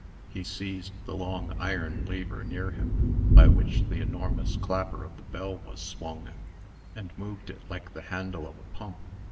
He seized the long iron lever near him, by which the enormous clapper of the bell was swung, and moved it like the handle of a pump.